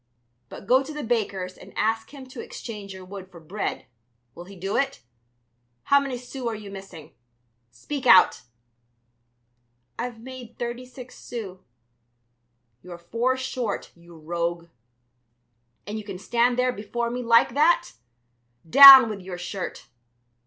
But go to the baker's and ask him to exchange your wood for bread, will he do it? How many sous are you missing? Speak out!" "I've made thirty six sous." "You're four short, you rogue. And you can stand there before me like that! Down with your shirt!